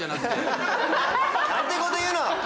何てこと言うの⁉あ！